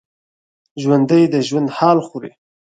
ژوندي د ژوند حال خوري